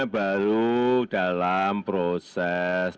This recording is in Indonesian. baru dalam proses